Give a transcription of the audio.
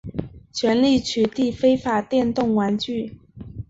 全力取缔非法电动玩具